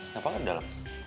kenapa ga di dalam